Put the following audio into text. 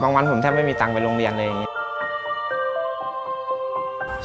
บางวันผมแทบไม่มีตังค์ที่ไปโรงเรียนเลย